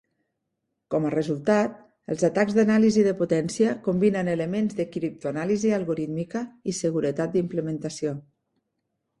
Com a resultat, els atacs d'anàlisi de potència combinen elements de criptoanàlisi algorítmica i seguretat d'implementació.